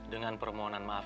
dengan permohonan maaf